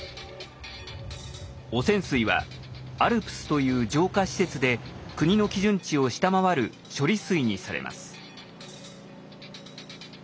汚染水はＡＬＰＳという浄化施設で国の基準値を下回る処理水にされます。